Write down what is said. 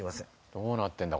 どうなってんだ